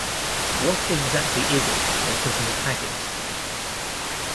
What exactly is it that they put into haggis?